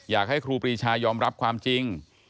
อยากให้ครูปรีชายอมรับความจริง